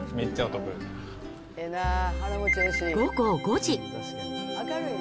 午後５時。